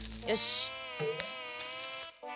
よし。